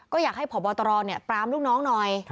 ก็อยากให้ผ่อบอตรอเนี่ยปรามลูกน้องหน่อย